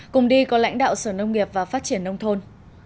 cùng đi có lãnh đạo sở nông nghiệp và phát triển nông thôn